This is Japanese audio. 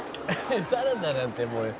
「サラダなんてもうそりゃ